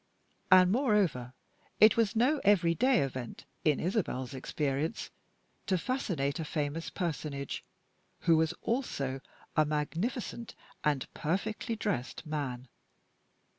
And, moreover, it was no everyday event, in Isabel's experience, to fascinate a famous personage, who was also a magnificent and perfectly dressed man.